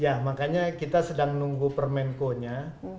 ya makanya kita sedang menunggu permenkonya